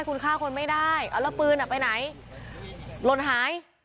คุณฆ่าคนไม่ได้เอาแล้วปืนไปไหนหล่นหาย